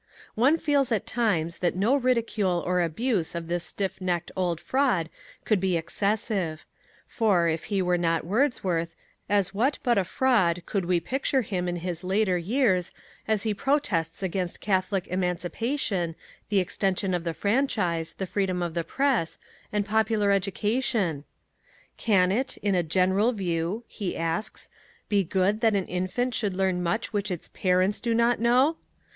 One feels at times that no ridicule or abuse of this stiff necked old fraud could be excessive; for, if he were not Wordsworth, as what but a fraud could we picture him in his later years, as he protests against Catholic Emancipation, the extension of the franchise, the freedom of the Press, and popular education? "Can it, in a general view," he asks, "be good that an infant should learn much which its _parents do not know?